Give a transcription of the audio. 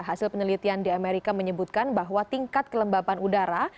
hasil penelitian di amerika menyebutkan bahwa tingkat kelembaban udara